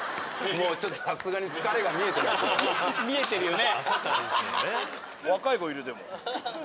もうちょっと見えてるよね。